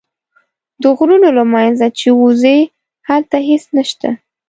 د غرونو له منځه چې ووځې هلته هېڅ نه شته.